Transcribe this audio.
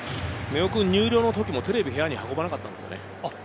根尾君、入寮の時もテレビを部屋に運ばなかったんですよ。